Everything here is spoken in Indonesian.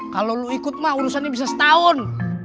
kalau lo ikut mah urusannya bisa setahun